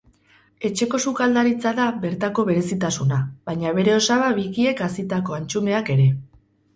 Etxeko sukaldaritza da bertako berezitasuna, baita bere osaba bikiek hazitako antxumeak ere.